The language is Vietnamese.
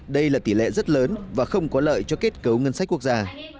đây là tỷ lệ rất lớn và không có lợi cho kết cấu ngân sách quốc gia